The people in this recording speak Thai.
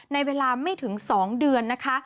ในเวลาไม่ถึง๒เดือนนะคะ